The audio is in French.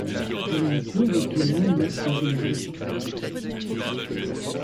Dans la nature, les poulains naissent en général au printemps.